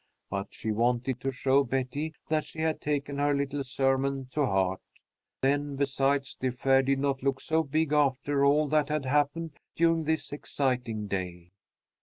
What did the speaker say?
But she wanted to show Betty that she had taken her little sermon to heart. Then, besides, the affair did not look so big, after all that had happened during this exciting day.